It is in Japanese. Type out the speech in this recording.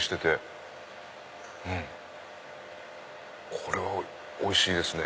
これはおいしいですね。